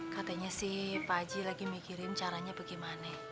katanya sih pak haji lagi mikirin caranya bagaimana